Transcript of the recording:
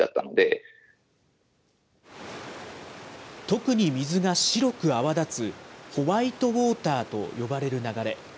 特に水が白く泡立つ、ホワイトウォーターと呼ばれる流れ。